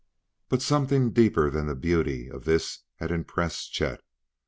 But something deeper than the beauty of this had impressed Chet.